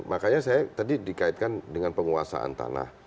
makanya saya tadi dikaitkan dengan penguasaan tanah